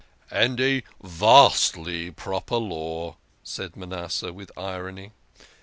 " And a vastly proper law," said Manasseh with irony.